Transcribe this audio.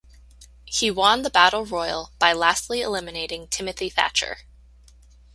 He won the battle royal by lastly eliminating Timothy Thatcher.